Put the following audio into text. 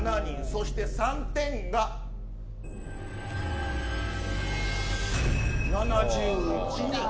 そして３点が７１人。